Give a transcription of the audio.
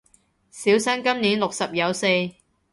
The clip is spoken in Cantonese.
小生今年六十有四